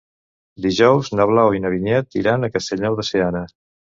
Dijous na Blau i na Vinyet iran a Castellnou de Seana.